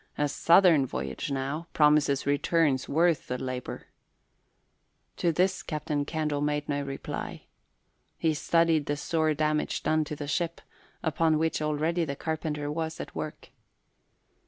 A southern voyage, now, promises returns worth the labour." To this Captain Candle made no reply. He studied the sore damage done to the ship, upon which already the carpenter was at work.